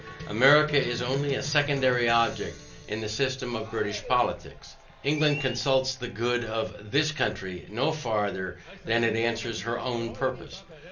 America is only a secondary object in the system of British politics, England consults the good of THIS country, no farther than it answers her OWN purpose.